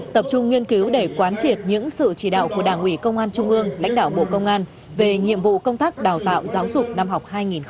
tập trung nghiên cứu để quán triệt những sự chỉ đạo của đảng ủy công an trung ương lãnh đạo bộ công an về nhiệm vụ công tác đào tạo giáo dục năm học hai nghìn hai mươi hai nghìn hai mươi